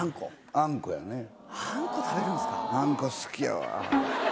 あんこ好きやわ。